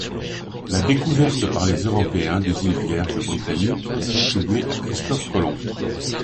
La découverte par les Européens des îles Vierges britanniques est attribuée à Christophe Colomb.